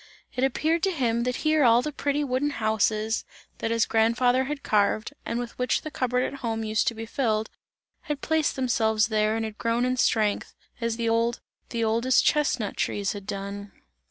It appeared to him, that here all the pretty wooden houses that his grandfather had carved, and with which the cup board at home used to be filled, had placed themselves there and had grown in strength, as the old, the oldest chestnut trees had done.